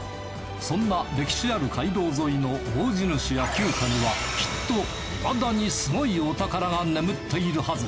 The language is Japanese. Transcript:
そんな歴史ある街道沿いの大地主や旧家にはきっといまだにすごいお宝が眠っているはず。